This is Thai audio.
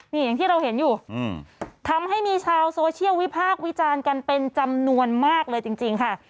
นี่อย่างที่เราเห็นอยู่ทำให้มีชาวโซเชียลวิพากษ์วิจารณ์กันเป็นจำนวนมากเลยจริงค่ะ